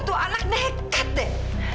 tuh anak nekat deh